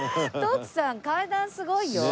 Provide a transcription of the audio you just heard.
徳さん階段すごいよ。